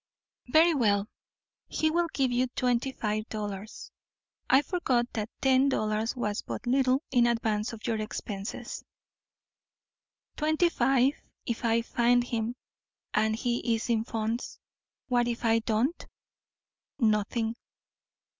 "Very well, he will give you twenty five dollars. I forgot that ten dollars was but little in advance of your expenses." "Twenty five if I find him, and he is in funds. What if I don't?" "Nothing."